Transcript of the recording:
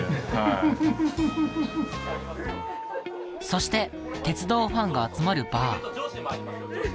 そして鉄道ファンが集まるバー。